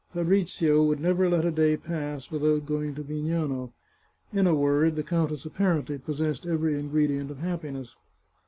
Fabrizio would never let a day pass without going to Vignano. In a word, the countess apparently possessed every ingredient of happiness.